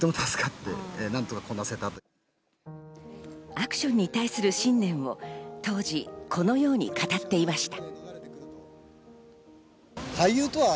アクションに対する信念を当時このように語っていました。